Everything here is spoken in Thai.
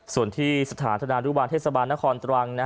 ส่วนที่สถาทนารุบาลเทศบาลนครตรวังนะฮะ